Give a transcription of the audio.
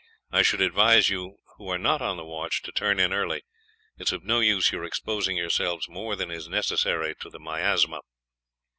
I should advise you who are not on the watch to turn in early; it is of no use your exposing yourselves more than is necessary to the miasma."